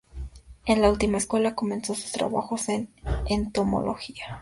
En la última escuela comenzó sus trabajos en entomología.